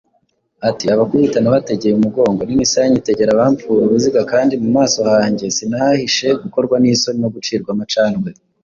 ati, “Abakubita nabategeye umugongo, n’imisaya nyitegera abampfura uruzigakandi mu maso hanjye sinahahishe gukorwa n’isoni no gucirwa amacandwe.